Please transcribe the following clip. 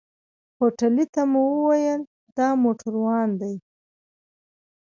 هوټلي ته مو وويل دا موټروان دی.